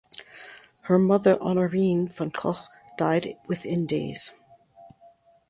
Her mother Honorine (von Koch) died with in days.